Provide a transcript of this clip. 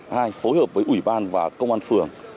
hai phối hợp với ủy ban và công an phường